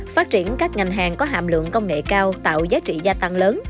phát triển các ngành hàng có hàm lượng công nghệ cao tạo giá trị gia tăng lớn